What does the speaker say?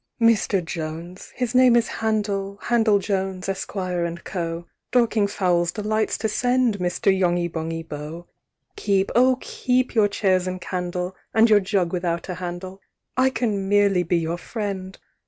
VI. "Mr. Jones (his name is Handel, "Handel Jones, Esquire, & Co.) "Dorking fowls delights to send, "Mr. Yonghy Bonghy Bò! "Keep, oh I keep your chairs and candle, "And your jug without a handle, "I can merely be your friend!